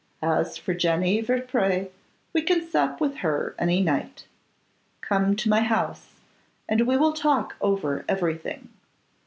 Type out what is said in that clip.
As for Jenny Vertpré, we can sup with her any night. Come to my house, and we will talk over everything.